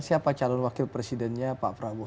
siapa calon wakil presidennya pak prabowo